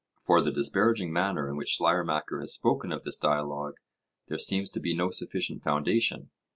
For the disparaging manner in which Schleiermacher has spoken of this dialogue there seems to be no sufficient foundation.